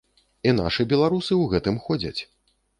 І нашы беларусы у гэтым ходзяць.